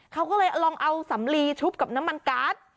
เขาก็เลยลองเอาสำลีชุบกับน้ำมันการ์ด